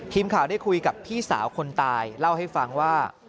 ทีมข่าวได้คุยกับพี่สาวคนตายเล่าให้ฟังว่า